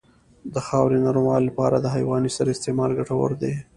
د خاورې نرموالې لپاره د حیواني سرې استعمال ګټور دی.